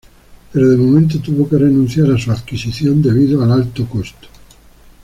Pero de momento tuvo que renunciar a su adquisición debido al alto costo.